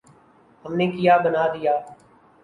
ہم نے کیا بنا دیا؟